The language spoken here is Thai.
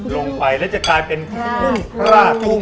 ลงไปแล้วจะกลายเป็นกุ้งราดกุ้ง